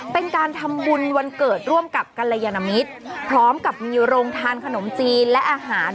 เป็นการทำบุญวันเกิดร่วมกับกัลยนมิตรพร้อมกับมีโรงทานขนมจีนและอาหาร